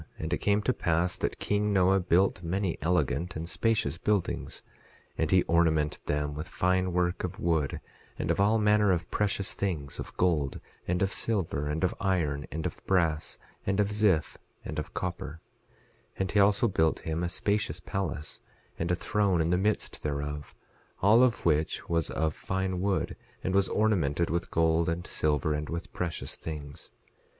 11:8 And it came to pass that king Noah built many elegant and spacious buildings; and he ornamented them with fine work of wood, and of all manner of precious things, of gold, and of silver, and of iron, and of brass, and of ziff, and of copper; 11:9 And he also built him a spacious palace, and a throne in the midst thereof, all of which was of fine wood and was ornamented with gold and silver and with precious things.